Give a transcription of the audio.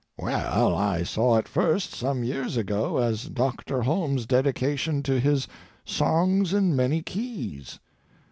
"Well, I saw it first some years ago as Doctor Holmes's dedication to his Songs in Many Keys."